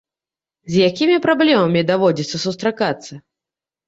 З якімі праблемамі даводзіцца сустракацца?